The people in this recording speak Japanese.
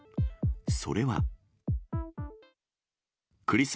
それは。